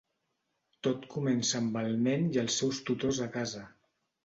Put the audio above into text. Tot comença amb el nen i els seus tutors a casa.